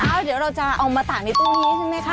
เดี๋ยวเราจะเอามาตากในตู้นี้ใช่ไหมคะ